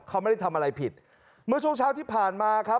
เขาไม่ได้ทำอะไรผิดเมื่อช่วงเช้าที่ผ่านมาครับ